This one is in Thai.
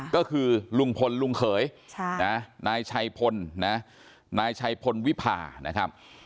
ก็คือลุงพลลุงเขยนายชัยพลวิพานะครับ